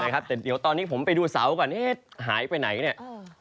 ครับแต่เดี๋ยวตอนนี้ผมไปดูเสาก่อนเอ๊ะหายไปไหนเนี่ย